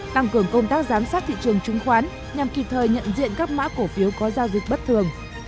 tăng cường công tác giám sát thị trường chứng khoán nhằm kịp thời nhận diện các mã cổ phiếu có giao dịch bất thường